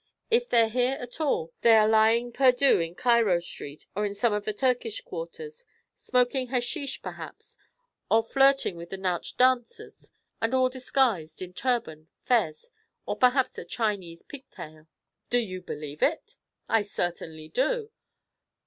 If they're here at all, they are lying perdu in Cairo Street or in some of the Turkish quarters, smoking hasheesh, perhaps, or flirting with the Nautch dancers, and all disguised in turban, fez, or perhaps a Chinese pigtail.' 'Do you believe it?' 'I certainly do.'